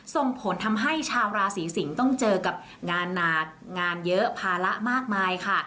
ส่งผลทำให้ชาวราศีสิงศ์ต้องเจอกับงานเยอะภาระมากมายค่ะ